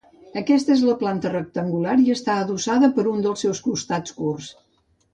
Aquesta és de planta rectangular i està adossada per un dels seus costats curts.